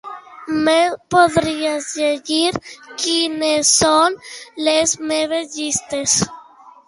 Em podries llegir quines són les meves llistes?